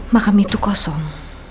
makam itu kosong